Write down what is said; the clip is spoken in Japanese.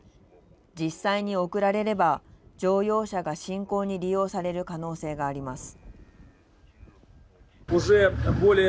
実際に送られれば乗用車が侵攻に利用される可能性があります。